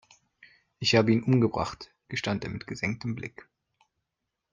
Ich habe ihn umgebracht, gestand er mit gesenktem Blick.